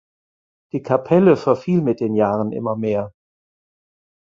Die Kapelle verfiel mit den Jahren immer mehr.